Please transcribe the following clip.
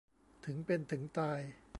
ถึงเป็นถึงตาย